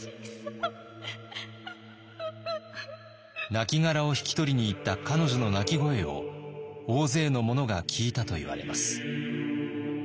なきがらを引き取りに行った彼女の泣き声を大勢の者が聞いたといわれます。